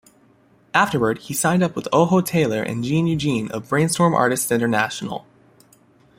Afterward he signed with Ojo Taylor and Gene Eugene of Brainstorm Artists International.